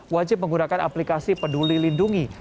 wajib menggunakan aplikasi peduli lindungi